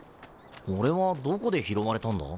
俺はどこで拾われたんだ？